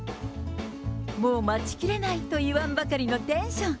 もう待ちきれないと言わんばかりのテンション。